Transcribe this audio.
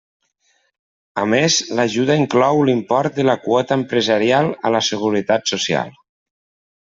A més l'ajuda inclou l'import de la quota empresarial a la Seguretat Social.